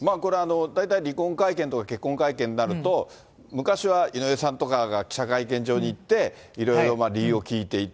大体離婚会見とか結婚会見になると、昔は井上さんとかが記者会見場に行って、いろいろ理由を聞いていた。